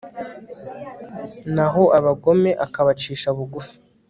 naho abagome akabacisha bugufi